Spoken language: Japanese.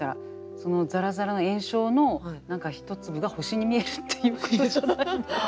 そのざらざらの炎症の何か一粒が星に見えるっていうことじゃないの？